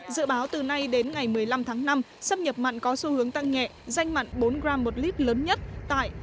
dự báo từ nay đến ngày một mươi năm tháng năm xâm nhập mặn có xu hướng tăng nhẹ danh mặn bốn gram một lít lớn nhất tại